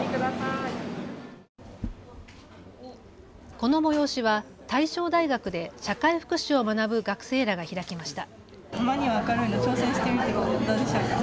この催しは大正大学で社会福祉を学ぶ学生らが開きました。